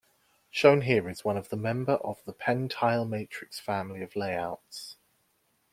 Shown here is one of the member of the PenTile matrix family of layouts.